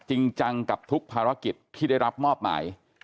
จริงจังกับทุกภารกิจที่ได้รับมอบหมาย